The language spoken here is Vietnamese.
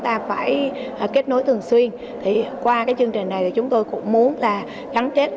ta phải kết nối thường xuyên thì qua cái chương trình này thì chúng tôi cũng muốn là gắn kết